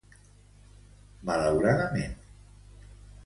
Malauradament.